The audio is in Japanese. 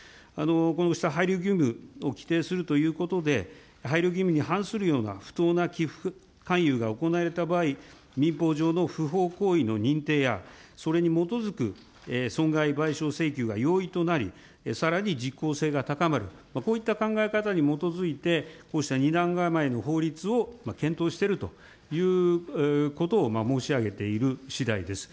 こうした配慮義務を規定するということで、配慮義務に反するような不当な寄付勧誘が行われた場合、民法上の不法行為の認定や、それに基づく損害賠償請求が容易となり、さらに実効性が高まる、こういった考え方に基づいて、こうした２段構えの法律を検討しているということを申し上げているしだいです。